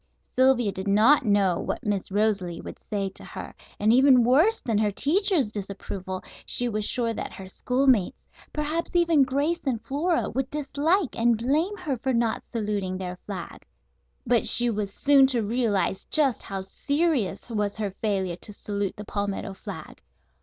Sylvia did not know what Miss Rosalie would say to her, and, even worse than her teacher's disapproval, she was sure that her schoolmates, perhaps even Grace and Flora, would dislike and blame her for not saluting their flag. But she was soon to realize just how serious was her failure to salute the palmetto flag.